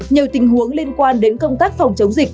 nhiều tình huống liên quan đến công tác phòng chống dịch